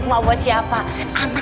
emak bawa siapa buat lu